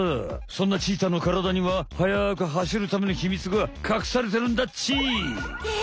そんなチーターのからだには速く走るための秘密がかくされてるんだっち。え！？